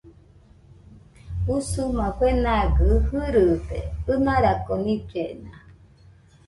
Usuma fenagɨ irɨde ɨnarako nillena